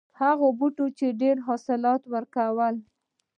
هغه بوټی چې ډېر حاصلات یې ورکول.